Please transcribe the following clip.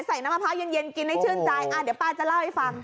น้ำมะพร้าวเย็นกินให้ชื่นใจเดี๋ยวป้าจะเล่าให้ฟัง